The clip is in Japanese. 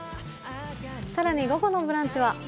更に午後の「ブランチ」は。